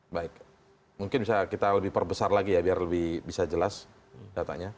baik mungkin bisa kita lebih perbesar lagi ya biar lebih bisa jelas datanya